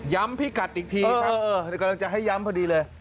พี่กัดอีกทีครับกำลังจะให้ย้ำพอดีเลย